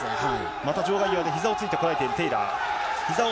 また場外際でひざをついて耐えているテイラー。